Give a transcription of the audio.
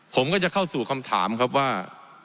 ผมก็จะเข้าสู่คำถามครับว่า